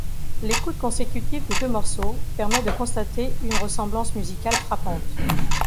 L'écoute consécutive des deux morceaux permet de constater une ressemblance musicale frappante.